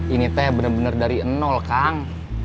ini teh bener bener dari nol kang